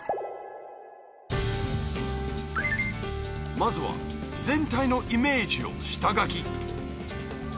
まずは全体のイメージを下書き